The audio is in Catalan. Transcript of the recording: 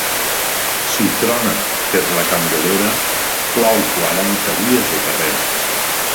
Si trona per la Candelera, plou quaranta dies de carrera.